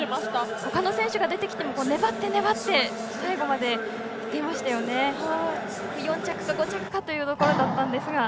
ほかの選手が出てきても粘って、粘って最後までいっていましたよね、４着か５着かというところでしたが。